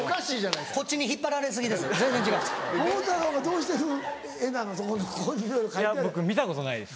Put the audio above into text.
いや僕見たことないです。